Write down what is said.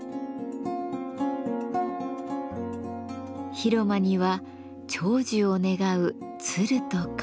広間には長寿を願う鶴と亀。